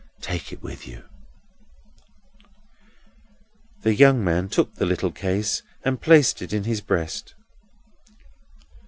Take it with you." The young man took the little case, and placed it in his breast.